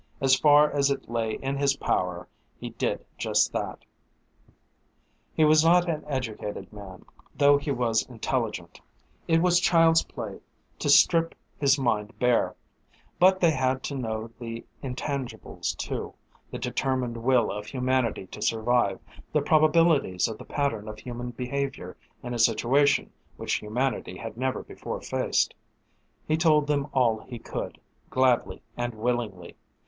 As far as it lay in his power he did just that. He was not an educated man, though he was intelligent. It was child's play to them to strip his mind bare; but they had to know the intangibles too, the determined will of humanity to survive, the probabilities of the pattern of human behavior in a situation which humanity had never before faced. He told them all he could, gladly and willingly.